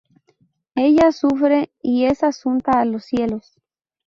Ella sufre y es asunta a los cielos.